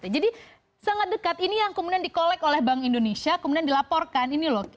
jadi sangat dekat ini yang kemudian dikolek oleh bank indonesia kemudian dilaporkan ini loh